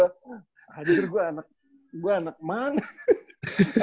hadir gue anak gue anak mana